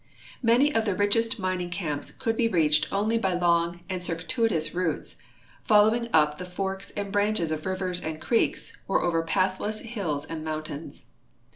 Many of the richest mining camps could be reached only by long and circuitous routes, folloAving up the forks and branches of rivers and creeks or over pathless hills and mountains.